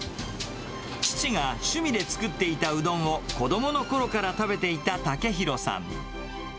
父が趣味で作っていたうどんを、子どものころから食べていた武裕さん。